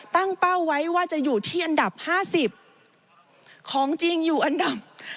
เป้าไว้ว่าจะอยู่ที่อันดับ๕๐ของจริงอยู่อันดับ